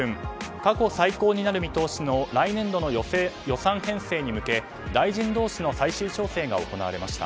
過去最高になる見通しの来年度の予算編成に向け大臣同士の最終調整が行われました。